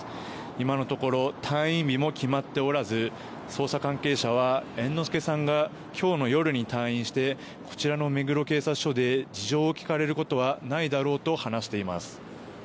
今のところ、退院日も決まっておらず捜査関係者は猿之助さんが今日の夜に退院してこちらの目黒警察署で事情を聴かれることはないだろうと話しています。